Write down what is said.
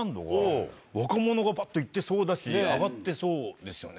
若者がバッといってそうだし上がってそうですよね。